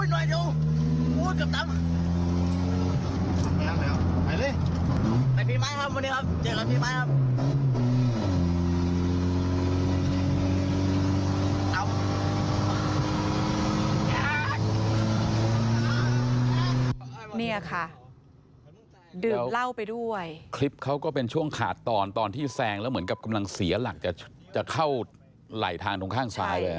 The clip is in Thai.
นี่ค่ะดื่มเหล้าไปด้วยคลิปเขาก็เป็นช่วงขาดตอนตอนที่แซงแล้วเหมือนกับกำลังเสียหลักจะเข้าไหลทางตรงข้างซ้ายเลย